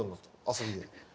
遊びで。